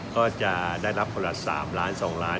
ก็จะได้รับคนละ๓ล้าน๒ล้าน